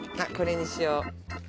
これにしよう。